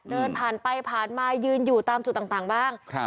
เดินผ่านไปผ่านมายืนอยู่ตามจุดต่างบ้างครับ